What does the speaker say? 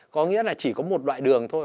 có nghĩa là chỉ có một loại đường thôi